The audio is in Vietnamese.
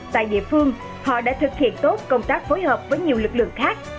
tại địa phương họ đã thực hiện tốt công tác phối hợp với nhiều lực lượng khác